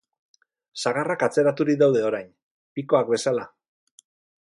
Sagarrak atzeraturik daude orain, pikoak bezala.